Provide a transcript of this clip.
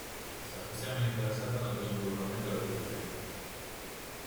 Està especialment interessat en el desenvolupament de la Wikipedia.